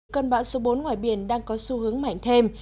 cơn bão số bốn ngoài biển đang có xu hướng mạnh thêm